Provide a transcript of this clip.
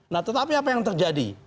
nah tetapi apa yang terjadi